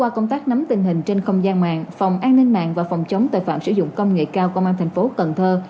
công an ninh mạng và phòng chống tài phạm sử dụng công nghệ cao công an thành phố cần thơ